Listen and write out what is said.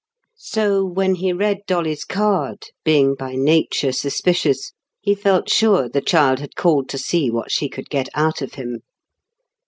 So, when he read Dolly's card, being by nature suspicious, he felt sure the child had called to see what she could get out of him.